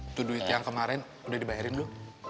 itu duit yang kemarin udah dibayarin dulu